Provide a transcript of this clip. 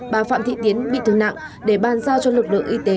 bà phạm thị tiến bị thương nặng để bàn giao cho lực lượng y tế